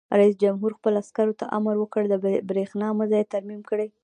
رئیس جمهور خپلو عسکرو ته امر وکړ؛ د برېښنا مزي ترمیم کړئ!